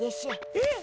えっ？